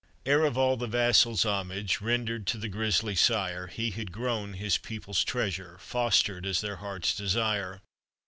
Heir of all the vassals1 homage, Rendered to the grisly 8ire, He had grown his people's treasure, Fostered as their heart's desire.